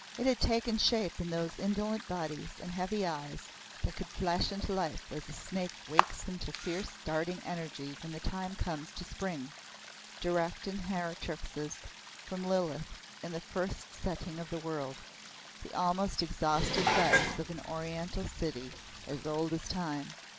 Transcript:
It had taken shape in those indolent bodies and heavy eyes that could flash into life as a snake wakes into fierce darting energy when the time comes to spring direct inheritrixes from Lilith, in the fittest setting in the world the almost exhausted vice of an Oriental city as old as time.